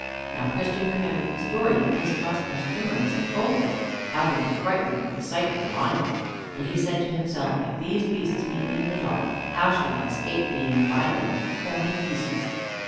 Now Christian remembered the story that Mistrust and Timorous had told him, how they were frightened with the sight of the lions. And he said to himself, "If these beasts meet me in the dark, how shall I escape being by them torn in pieces?"